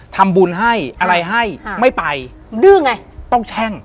ทำบุญให้อะไรให้ไม่ไปดื้อไงต้องแช่ง